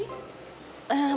kok pergi sih